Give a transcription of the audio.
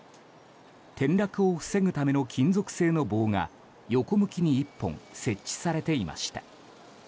転落を防ぐための金属製の棒が横向きに１本、設置されていました。